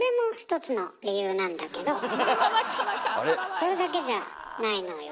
それだけじゃないのよ。